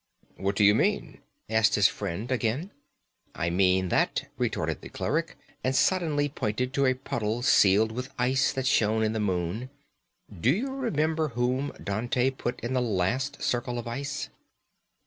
"What do you mean?" asked his friend again. "I mean that," retorted the cleric, and suddenly pointed at a puddle sealed with ice that shone in the moon. "Do you remember whom Dante put in the last circle of ice?"